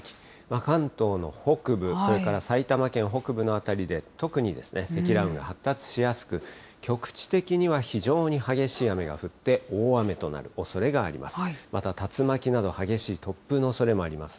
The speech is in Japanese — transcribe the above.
関東の北部、それから埼玉県北部の辺りで、特にですね、積乱雲が発達しやすく、局地的には非常に激しい雨が降って、大雨となるおそれがあります。